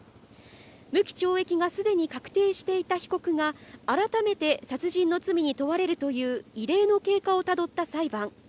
無期懲役がすでに確定していた被告が、改めて殺人の罪に問われるという異例の経過をたどった裁判。